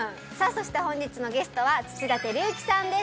そして本日のゲストは土田晃之さんです